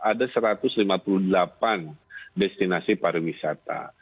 ada satu ratus lima puluh delapan destinasi pariwisata